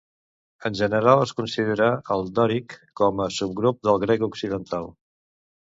En general es considera el dòric com un subgrup del grec occidental.